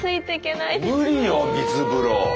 無理よ水風呂。